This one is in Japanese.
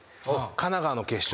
神奈川の決勝